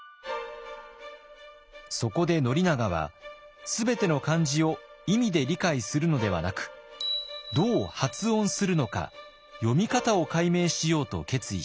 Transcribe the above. そこで宣長は全ての漢字を意味で理解するのではなくどう発音するのか読み方を解明しようと決意しました。